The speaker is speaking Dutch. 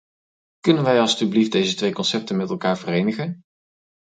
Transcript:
Kunnen wij alstublieft deze twee concepten met elkaar verenigen?